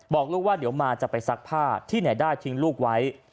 บอกลูกว่าเดี๋ยวมาจะไปซักผ้าที่ไหนได้ทิ้งลูกไว้